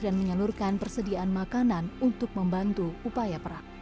dan menyalurkan persediaan makanan untuk membantu upaya perang